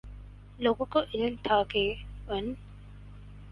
لوگوں کو علم تھا کہ ان